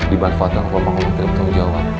dibanfaatkan oleh makhluk kripto jawa